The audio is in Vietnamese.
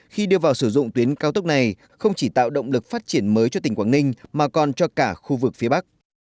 khi đưa vào sử dụng tuyến cao tốc này không chỉ tạo động lực phát triển mới cho tỉnh quảng ninh mà còn cho cả khu vực phía bắc